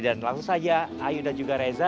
dan langsung saja ayu dan juga reza